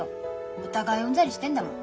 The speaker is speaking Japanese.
お互いうんざりしてんだもん。